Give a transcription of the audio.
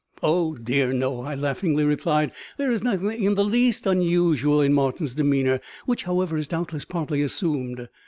"Oh dear, no," I laughingly replied; "there is nothing in the least unusual in Martin's demeanour, which, however, is doubtless partly assumed.